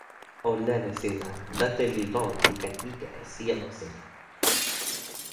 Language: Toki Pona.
o len e sina. lete li lon li ken ike e sijelo sina.